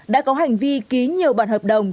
đã có hành vi ký nhiều bản hợp đồng